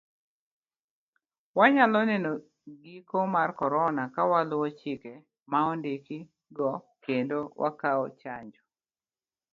Wanyalo neno giko mar korona kawaluwo chike ma ondiki go kendo wakawo chanjo .